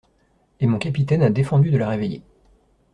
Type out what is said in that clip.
Et mon capitaine a défendu de la réveiller.